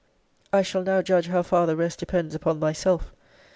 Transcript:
I shall now judge how far the rest depends upon myself!